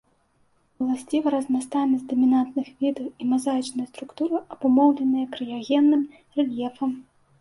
Уласціва разнастайнасць дамінантных відаў і мазаічная структура, абумоўленая крыягенным рэльефам.